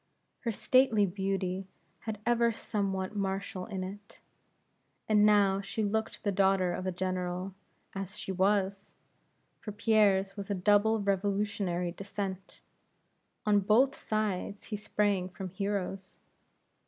Her stately beauty had ever somewhat martial in it; and now she looked the daughter of a General, as she was; for Pierre's was a double revolutionary descent. On both sides he sprang from heroes.